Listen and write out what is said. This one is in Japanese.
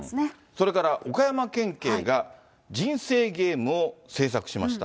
それから、岡山県警が人生ゲームを製作しました。